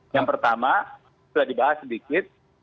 yang pertama sudah dibahas sedikit